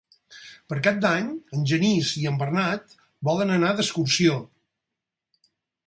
Per Cap d'Any en Genís i en Bernat volen anar d'excursió.